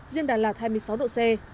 riêng đà lạt hai mươi sáu độ c